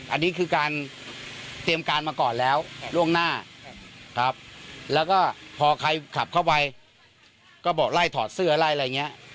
อันนี้คือการเตรียมการมาก่อนแล้วล่วงหน้าครับแล้วก็พอใครขับเข้าไปก็บอกไล่ถอดเสื้อไล่อะไรอย่างนี้